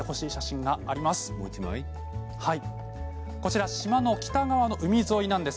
もう１枚島の北側の海沿いです。